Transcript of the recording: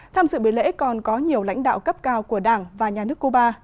tham dự buổi lễ còn có nhiều lãnh đạo cấp cao của đảng và nhà nước cuba